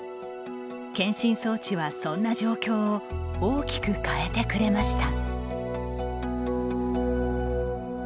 健診装置は、そんな状況を大きく変えてくれました。